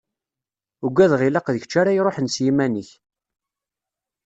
Ugadeɣ ilaq d kečč ara iruḥen s yiman-ik.